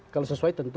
kalau sesuai tentu